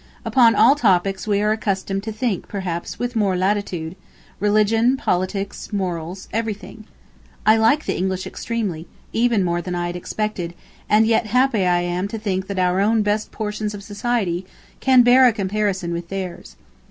Upon all topics we are accustomed to think, perhaps, with more latitude, religion, politics, morals, everything. I like the English extremely, even more than I expected, and yet happy am I to think that our own best portions of society can bear a comparison with theirs.